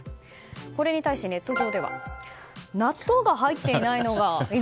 これに対しネット上では納豆が入っていないのが意外。